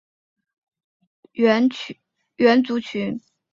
南亚裔族群是一个由二千多个不同种族构成的多元族群。